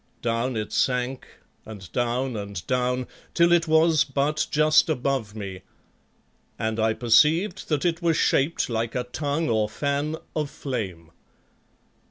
Down it sank, and down and down, till it was but just above me, and I perceived that it was shaped like a tongue or fan of flame.